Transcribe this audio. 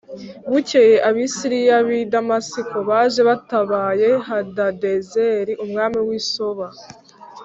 Bukeye Abasiriya b’i Damasiko baje batabaye Hadadezeri umwami w’i Soba